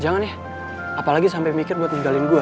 jangan ya apalagi sampe mikir buat ninggalin gue